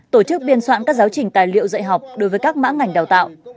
tổ chức biên soạn các giáo trình tài liệu dạy học đối với các mã ngành đào tạo